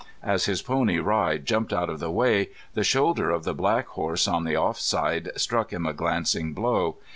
As his pony Rye jumped out of the way the shoulder of the black horse, on the off side, struck him a glancing blow.